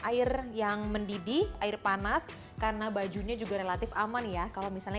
air yang mendidih air panas karena bajunya juga relatif aman ya kalau misalnya